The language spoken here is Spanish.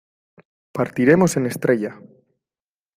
partiremos en estrella.